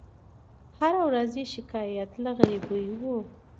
هره ورځ یې شکایت له غریبۍ وو